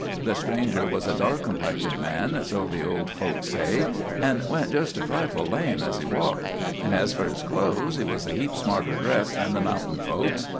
The stranger was a dark complected man, so the old folks say, and went just a trifle lame as he walked; and as for his clothes, he was a heap smarter dressed than the mountain folks.